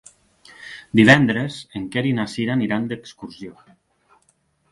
Divendres en Quer i na Cira aniran d'excursió.